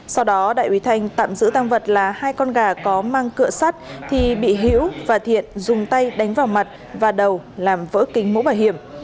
sau đó đại úy thanh tạm giữ tăng vật là hai con gà có mang cựa sắt thì bị hiễu và thiện dùng tay đánh vào mặt và đầu làm vỡ kính mũ bảo hiểm